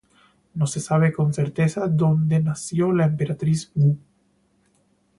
No se sabe con certeza dónde nació la Emperatriz Wu.